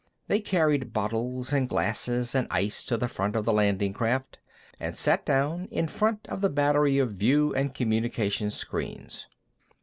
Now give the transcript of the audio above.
They carried bottles and glasses and ice to the front of the landing craft and sat down in front of the battery of view and communication screens.